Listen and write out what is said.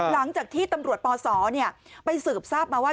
หลังจากที่ตำรวจปศไปสืบทราบมาว่า